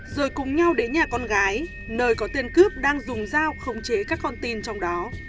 rồi cùng nhau đến nhà con gái nơi có tên cướp đang dùng dao khống chế các con tin trong đó